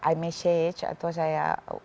i message atau saya